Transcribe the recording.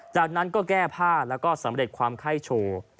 จากนั้นก็แก้ผ้าแล้วก็สำเร็จความไข้โชว์